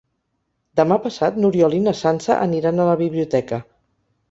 Demà passat n'Oriol i na Sança aniran a la biblioteca.